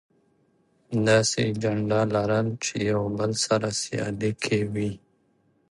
داسې اجنډا لرل چې يو بل سره سیالي کې وي.